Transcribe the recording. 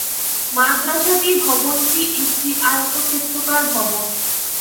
মাদ্রাসাটি ভবনটি একটি আয়তক্ষেত্রাকার ভবন।